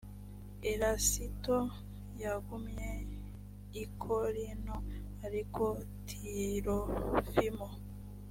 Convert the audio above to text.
erasito yagumye i korinto ariko tirofimo